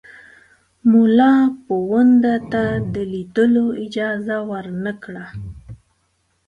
مُلاپوونده ته د لیدلو اجازه ورنه کړه.